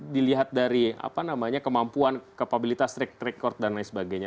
dilihat dari kemampuan kapabilitas record dan lain sebagainya